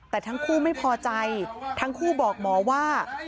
แต่ทั้งคู่ไม่พอใจทั้งคู่บอกหมอว่า